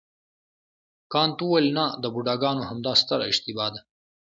کانت وویل نه د بوډاګانو همدا ستره اشتباه ده.